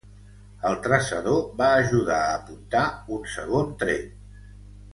El traçador va ajudar a apuntar un segon tret.